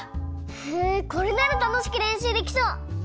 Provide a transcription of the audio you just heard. へえこれならたのしくれんしゅうできそう！